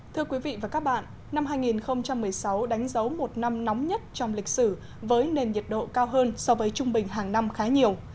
thưa quý vị và các bạn năm hai nghìn một mươi sáu đánh dấu một năm nóng nhất trong lịch sử với nền nhiệt độ cao hơn so với trung bình hàng năm khá nhiều